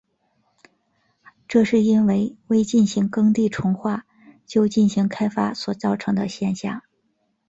这是因为未进行耕地重划就进行开发所造成的现象。